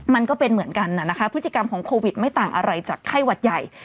มันก็เป็นเหมือนกันนะคะพฤติกรรมของโควิดไม่ต่างอะไรจากไข้หวัดใหญ่